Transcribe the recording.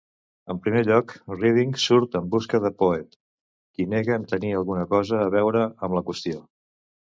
En primer lloc, Redding surt en busca de Poet, qui nega tenir alguna cosa a veure amb la qüestió.